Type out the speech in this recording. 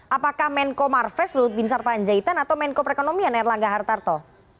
apakah menko marves lut bin sarpanjaitan atau menko perekonomian erlangga hartarto